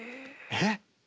えっ。